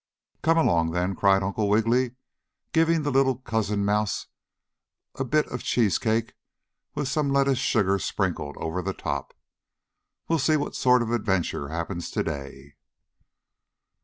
"Come along then!" cried Uncle Wiggily, giving the little cousin mouse a bit of cheese cake with some lettuce sugar sprinkled over the top. "We'll see what sort of adventure happens today."